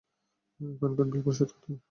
এখানকার বিল পরিশোধ করতে।